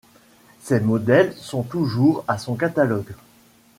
Ces modèles sont toujours à son catalogue.